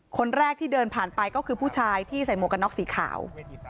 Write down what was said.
คนแรกที่เดินผ่านไปก็คือผู้ชายที่ใส่หมวกกันน็อกสีขาว